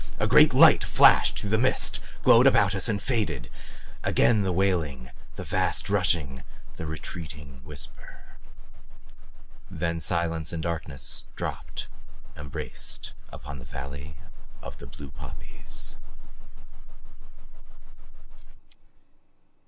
A great light flashed through the mist, glowed about us and faded. Again the wailing, the vast rushing, the retreating whisper. Then silence and darkness dropped embraced upon the valley of the blue poppies.